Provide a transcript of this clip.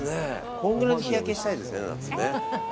こんくらいの日焼けしたいですね。